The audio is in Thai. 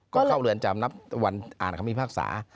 ก็เข้าเรือนจำนับวันอ่านคำพิพากษา